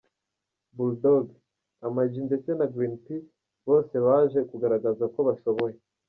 Bull Dog, Amag ndetse na Green P, bose baje kugaragaza ko bashoboye.